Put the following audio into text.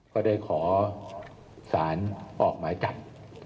ก็ได้ขอสารออกหมายจับ